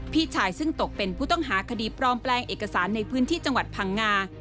พี่ชายซึ่งตกเป็นผู้ต้องหาคดีปลอมแปลงเอกสารในพื้นที่จังหวัดพังงา